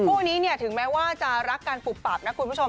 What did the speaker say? คู่นี้เนี่ยถึงแม้ว่าจะรักกันปุบปับนะคุณผู้ชม